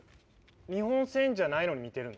日本戦じゃないの見てるの？